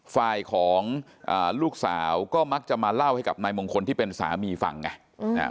ฝ่ายของลูกสาวก็มักจะมาเล่าให้กับนายมงคลที่เป็นสามีฟังไง